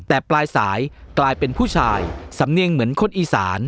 แต่ปลายสายกลายเป็นผู้ชายสำเนียงเหมือนคนอีสาน